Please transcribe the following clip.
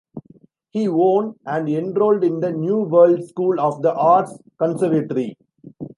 He won and enrolled in the New World School of the Arts conservatory.